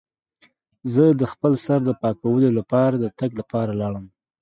زه د خپل سر د پاکولو لپاره د تګ لپاره لاړم.